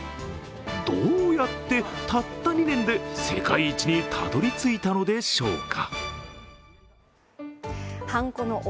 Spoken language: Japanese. どうやってたった２年で世界一にたどり着いたのでしょうか。